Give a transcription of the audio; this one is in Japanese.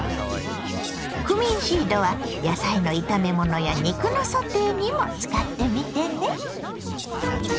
クミンシードは野菜の炒め物や肉のソテーにも使ってみてね。